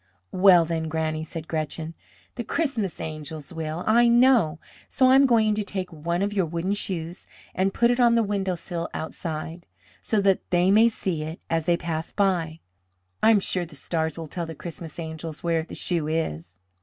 "Well, then, Granny," said Gretchen, "the Christmas angels will, I know; so I am going to take one of your wooden shoes, and put it on the windowsill outside, so that they may see it as they pass by. I am sure the stars will tell the Christmas angels where the shoe is."